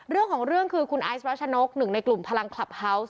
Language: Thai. เรื่องของเรื่องคือคุณไอซ์รัชนกหนึ่งในกลุ่มพลังคลับเฮาวส์